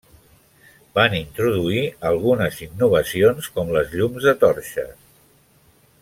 Van introduir algunes innovacions com les llums de torxes.